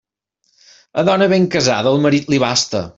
A dona ben casada, el marit li basta.